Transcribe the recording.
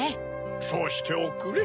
そうしておくれ。